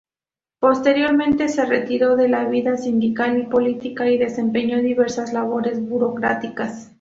Posteriormente se retiró de la vida sindical y política, y desempeñó diversas labores burocráticas.